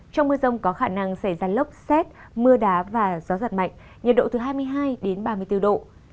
trong mưa rông có khả năng xảy ra lốc xét mưa đá và gió giật mạnh nhiệt độ từ hai mươi hai đến ba mươi bốn độ